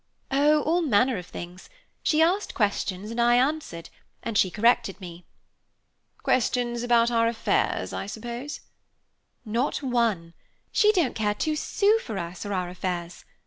"Oh, all manner of things. She asked questions, and I answered, and she corrected me." "Questions about our affairs, I suppose?" "Not one. She don't care two sous for us or our affairs.